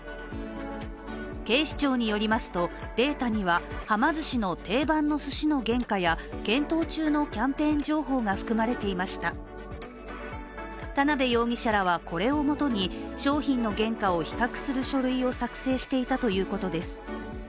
警視庁によりますと、データにははま寿司の定番のすしの原価や検討中のキャンペーン情報が含まれていました田辺容疑者らは、これをもとに商品の原価を比較する書類を作成していたということです。